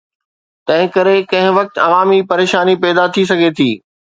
تنهنڪري ڪنهن وقت عوامي پريشاني پيدا ٿي سگهي ٿي.